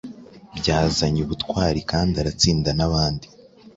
Byazanyeubutwari kandi aratsinda nabandi